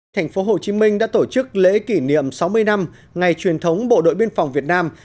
thành phố hồ chí minh đã tổ chức lễ kỷ niệm sáu mươi năm ngày truyền thống bộ đội biên phòng việt nam